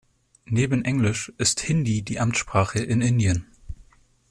Neben Englisch ist Hindi die Amtssprache in Indien.